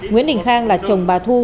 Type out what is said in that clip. nguyễn đình khang là chồng bà thu